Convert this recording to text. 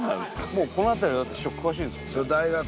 もうこの辺りはだって師匠詳しいんですもんね。